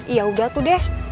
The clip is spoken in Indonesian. ya udah tuh deh